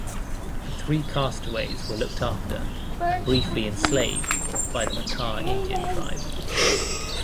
The three castaways were looked after and briefly enslaved by the Makah Indian tribe.